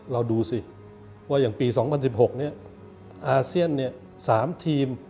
เราดูสิว่าอย่างปี๒๐๑๖เนี่ยอาเซียนเนี่ย๓ทีม